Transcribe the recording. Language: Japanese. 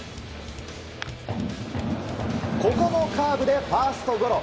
ここもカーブでファーストゴロ。